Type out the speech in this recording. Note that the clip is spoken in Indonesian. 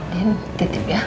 din titip ya